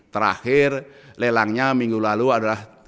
terakhir lelangnya minggu lalu adalah